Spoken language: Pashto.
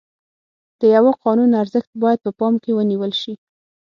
د یوه قانون ارزښت باید په پام کې ونیول شي.